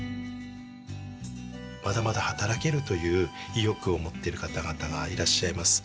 まだまだ働けるという意欲を持ってる方々がいらっしゃいます。